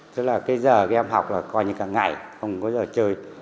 tức là cái giờ các em học là coi như cả ngày không có giờ chơi